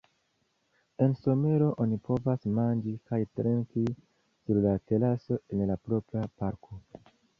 En somero oni povas manĝi kaj trinki sur la teraso en la propra parko.